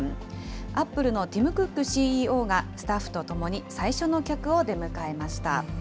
アップルのティム・クックＣＥＯがスタッフと共に最初の客を出迎えました。